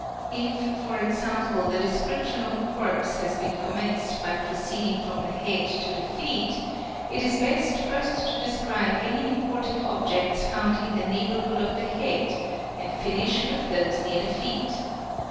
If for example the description of a corpse has been com menced by proceeding from the head to the feet, it is best first to describe ety important objects found in the neighbourhood of the head and finish vith those near the feet.